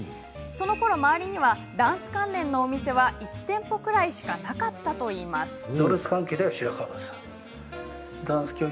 そのころ周りにはダンス関連のお店は１店舗くらいしかなかったんだといいます。